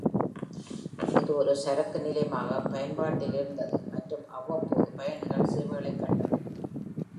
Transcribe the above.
இது ஒரு சரக்கு நிலையமாக பயன்பாட்டில் இருந்தது மற்றும் அவ்வப்போது பயணிகள் சேவைகளைக் கண்டது.